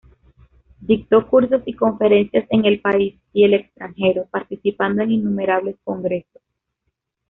Dictó cursos y conferencias en el país y el extranjero, participando en innumerables congresos.